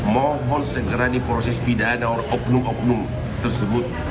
mohon segera diproses pidana oknum oknum tersebut